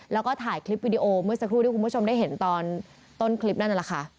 แล้วก็ถ่ายคลิปวิดีโอเมื่อสักครู่ที่คุณผู้ชมได้เห็นตอนต้นคลิปนั่นแหละค่ะ